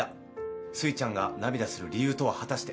すいちゃんが涙する理由とは果たして？